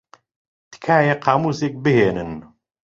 تکایە قامووسێک بھێنن.